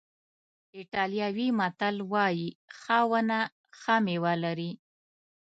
ایټالوي متل وایي ښه ونه ښه میوه لري.